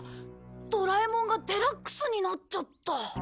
ドラえもんがデラックスになっちゃった。